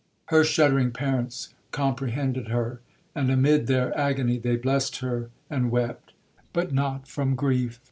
Her shuddering parents comprehended her,—and amid their agony they blessed her and wept,—but not from grief.